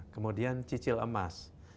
kemudian cicil emas